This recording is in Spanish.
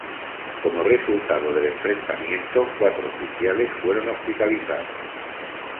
Cómo resultado del enfrentamiento, cuatro oficiales fueron hospitalizados.